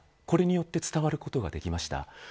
これによって伝わることができた。